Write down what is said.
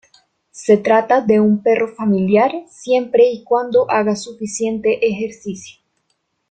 Se trata de un perro familiar siempre y cuando haga suficiente ejercicio.